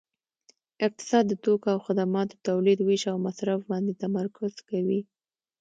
اقتصاد د توکو او خدماتو تولید ویش او مصرف باندې تمرکز کوي